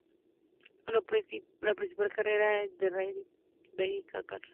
La principal carrera de rally raid es el Rally Dakar.